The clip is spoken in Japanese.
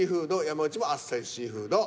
山内も「あっさりシーフード」。